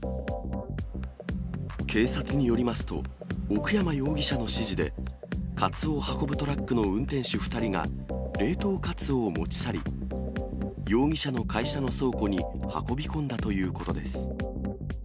警察によりますと、奥山容疑者の指示で、カツオを運ぶトラックの運転手２人が冷凍カツオを持ち去り、容疑者の会社の倉庫に運び込んだということです。